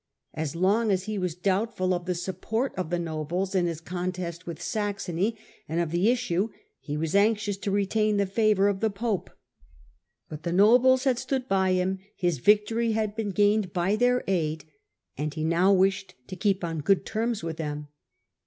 As long as he was doubtful of the support of the nobles in his contest with Saxony, and of the issue, he was anxious to retain the favour of the pope ; but the nobles had stood by him, his victory had been gained by their aid, and he now wished to keep on good terms with tiiem.